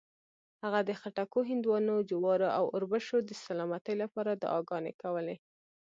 هغه د خټکو، هندواڼو، جوارو او اوربشو د سلامتۍ لپاره دعاګانې کولې.